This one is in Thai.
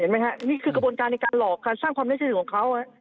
เห็นไหมครับนี่คือกระบวนการในการหลอกการสร้างความเล่นชื่นของเขา